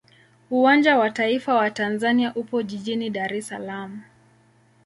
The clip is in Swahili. Uwanja wa taifa wa Tanzania upo jijini Dar es Salaam.